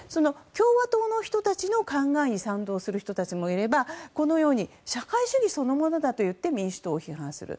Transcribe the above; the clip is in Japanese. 共和党の人たちの考えに賛同する人たちもいればこのように社会主義そのものだといって民主党を批判する。